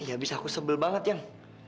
ya bisa aku sebel banget yang